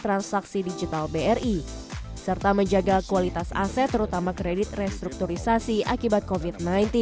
pencapaian laba bersih ini mencari topang dari transaksi digital bri serta menjaga kualitas aset terutama kredit restrukturisasi akibat covid sembilan belas